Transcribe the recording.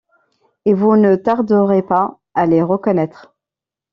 et vous ne tarderez pas à les reconnaître.